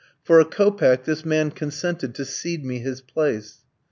For a kopeck this man consented to cede me his place.